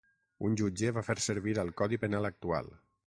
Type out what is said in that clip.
Un jutge va fer servir el codi penal actual